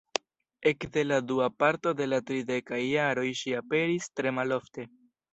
Ekde la dua parto de la tridekaj jaroj ŝi aperis tre malofte.